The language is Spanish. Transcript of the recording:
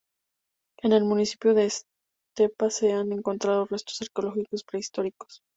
En el municipio de Estepa se han encontrado restos arqueológicos prehistóricos.